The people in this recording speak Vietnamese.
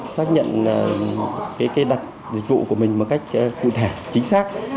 xác nhận đặt dịch vụ của mình một cách cụ thể chính xác